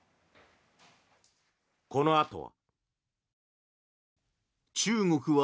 このあとは。